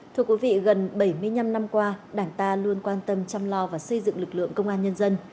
thưa quý vị gần bảy mươi năm năm qua đảng ta luôn quan tâm chăm lo và xây dựng lực lượng công an nhân dân